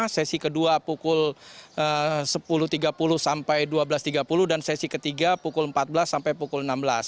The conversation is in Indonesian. sesi kedua pukul sepuluh tiga puluh sampai dua belas tiga puluh dan sesi ketiga pukul empat belas sampai pukul enam belas